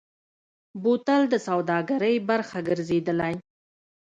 بوتل د سوداګرۍ برخه ګرځېدلی.